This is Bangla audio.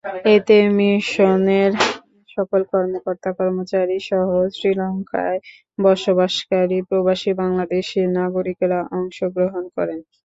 এতে মিশনের সকল কর্মকর্তা-কর্মচারীরাসহ শ্রীলঙ্কায় বসবাসকারী প্রবাসী বাংলাদেশি নাগরিকেরা অংশগ্রহণ করেন।